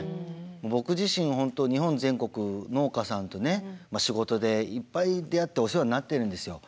僕自身本当日本全国農家さんとね仕事でいっぱい出会ってお世話になってるんですよ。